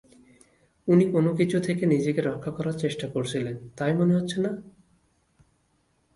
উনি কোনও কিছু থেকে নিজেকে রক্ষা করার চেষ্টা করছিলেন, তাই মনে হচ্ছে না?